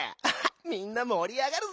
みんなもりあがるぜ。